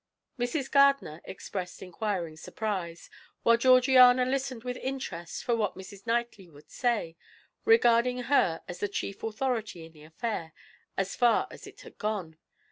Mrs. Gardiner expressed inquiring surprise, while Georgiana listened with interest for what Mrs. Knightley would say, regarding her as the chief authority in the affair, as far as it had gone.